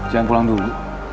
jangan pulang dulu